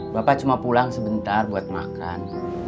bapak cuma pulang sebentar buat makan